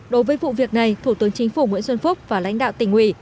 đối với vụ việc này thủ tướng chính phủ nguyễn xuân phúc và lãnh đạo tỉnh ủy